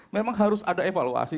memang harus ada evaluasi